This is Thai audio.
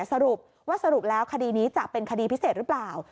สรุปว่าสรุปแล้วคดีนี้จะเป็นคดีพิเศษหรือเปล่า